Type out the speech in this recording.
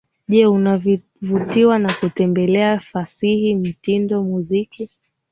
Je unavutiwa na kutembelea fasihi Mtindo Muziki